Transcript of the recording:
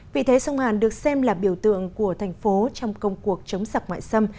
vị thế sông hàn được xem là biểu tượng của thành phố trong công cuộc chống giặc ngoại xâm